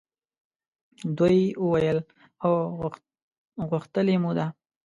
دوی وویل هو! غوښتلې مو ده.